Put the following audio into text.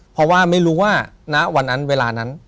เพราะว่าไม่รู้ว่าณวันนั้นเวลานั้น